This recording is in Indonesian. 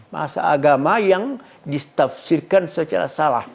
bahasa agama yang ditafsirkan secara salah